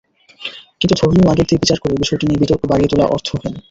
কিন্তু ধর্মীয় আঙ্গিক দিয়ে বিচার করে বিষয়টি নিয়ে বিতর্ক বাড়িয়ে তোলা অর্থহীন।